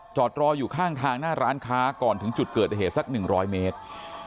จอดรออยู่ข้างทางหน้าร้านค้าก่อนถึงจุดเกิดเหตุสัก๑๐๐เมตร